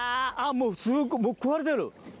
もうすごいもう食われてる。